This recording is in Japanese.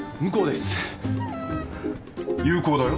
有効だよ。